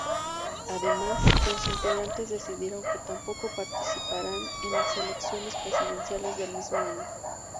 Además, los integrantes decidieron que tampoco participarán en las elecciones presidenciales del mismo año.